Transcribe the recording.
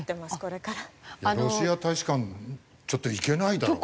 ロシア大使館ちょっと行けないだろ。